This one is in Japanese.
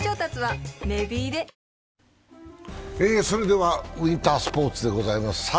それではウインタースポーツでございます。